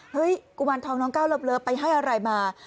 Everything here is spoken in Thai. กุมารทองน้องก้าวเลิฟไปให้อะไรมา